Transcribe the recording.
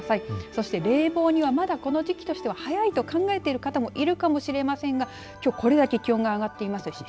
そして冷房にはまだこの時期としては早いと考えている方もいるかもしれませんがきょうこれだけ気温が上がっています